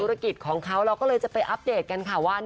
ธุรกิจของเขาเราก็เลยจะไปอัปเดตกันค่ะว่า